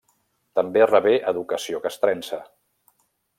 També rebé educació castrense.